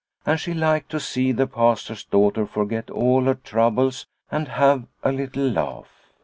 And she liked to see the Pastor's daughter forget all her troubles and have a little laugh.